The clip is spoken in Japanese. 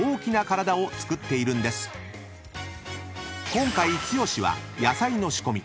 ［今回剛は野菜の仕込み。